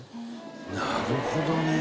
なるほどね。